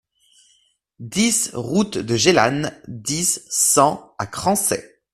dix route de Gélannes, dix, cent à Crancey